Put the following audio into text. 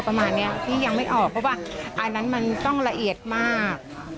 ประมาณนี้ที่ยังไม่ออกเพราะว่าอันนั้นมันต้องละเอียดมาก